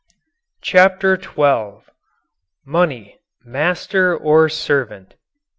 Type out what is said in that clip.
CHAPTER XII MONEY MASTER OR SERVANT?